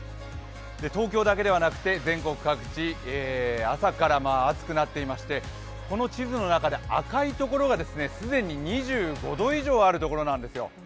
東京だけではなくて全国各地、朝から暑くなっていましてこの地図の中で赤いところが既に２５度以上あるところなんですよ。